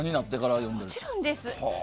もちろんです。